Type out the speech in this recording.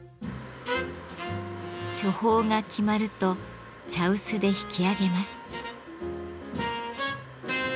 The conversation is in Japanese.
処方が決まると茶臼でひき上げます。